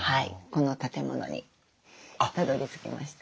この建物にたどりつきました。